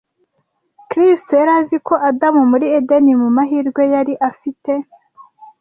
Kristo yari azi ko Adamu muri Edeni, mu mahirwe yari afite,